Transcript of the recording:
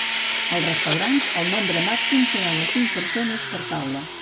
Als restaurants, el nombre màxim serà de cinc persones per taula.